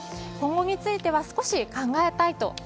今後については少し考えたいと。